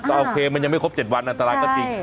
ก็โอเคมันยังไม่ครบ๗วันอันตรายก็จริง